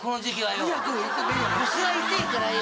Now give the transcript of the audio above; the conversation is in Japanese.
腰が痛えからよ。